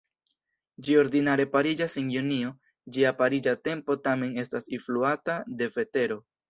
Ĝi ordinare pariĝas en junio, ĝia pariĝa tempo tamen estas influata de vetero.